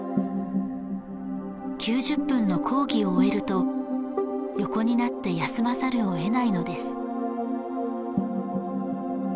９０分の講義を終えると横になって休まざるを得ないのです